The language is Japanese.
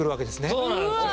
そうなんですよ。